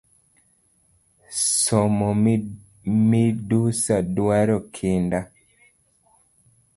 Somo midusa duaro kinda?